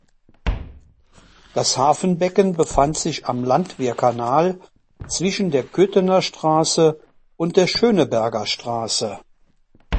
Das Hafenbecken befand sich am Landwehrkanal zwischen der Köthener Straße und der Schöneberger Straße.